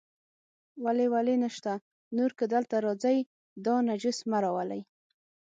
ولې ولې نشته، نور که دلته راځئ، دا نجس مه راولئ.